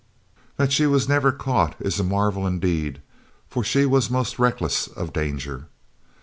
That she was never "caught" is a marvel indeed, for she was most reckless of danger.